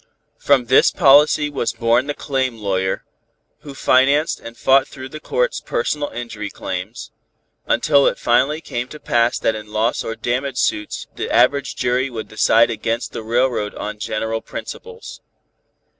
From this policy was born the claim lawyer, who financed and fought through the courts personal injury claims, until it finally came to pass that in loss or damage suits the average jury would decide against the railroad on general principles.